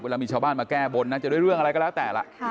เวลามีชาวบ้านมาแก้บนนะจะด้วยเรื่องอะไรก็แล้วแต่ล่ะ